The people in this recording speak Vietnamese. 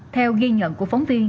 theo ghi nhận của phóng viên